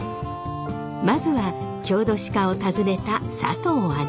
まずは郷土史家を訪ねた佐藤アナ。